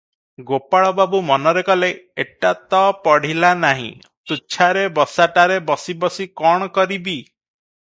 ଗୋପାଳବାବୁ ମନରେ କଲେ, ଏଟା ତ ପଢ଼ିଲା ନାହିଁ, ତୁଚ୍ଛାରେ ବସାଟାରେ ବସି ବସି କଣ କରିବି?